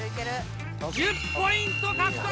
１０ポイント獲得！